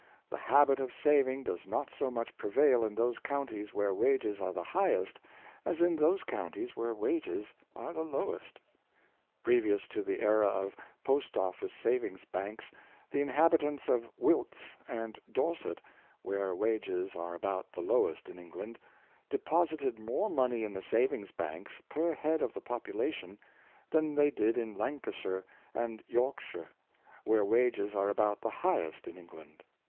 The habit of saving does not so much prevail in those counties where wages are the highest as in those counties where wages are the lowest. Previous to the era of post of fice savings banks, the inhabitants of Wilts and Dorset — where wages are about the lowest in England — de posited more money in the savings banks, per head of the population, than they did in Lancashire and York shire, where wages are about the highest in England.